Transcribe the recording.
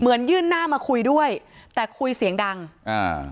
ยื่นหน้ามาคุยด้วยแต่คุยเสียงดังอ่า